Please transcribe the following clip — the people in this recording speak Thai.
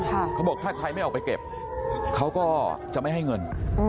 พวกมันกลับมาเมื่อเวลาที่สุดพวกมันกลับมาเมื่อเวลาที่สุด